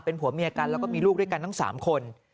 ผัวเมียกันแล้วก็มีลูกด้วยกันทั้ง๓คน